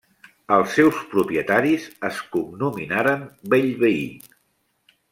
Els seus propietaris es cognominaren Bellvei.